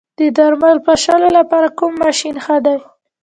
د درمل پاشلو لپاره کوم ماشین ښه دی؟